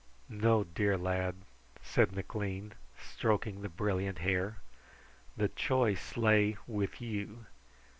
"No, dear lad," said McLean, stroking the brilliant hair. "The choice lay with you.